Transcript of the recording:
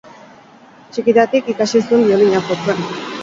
Txikitatik ikasi zuen biolina jotzen.